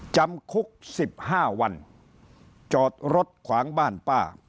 จำคุก๑๕วันจอดรถขวางบ้านป้า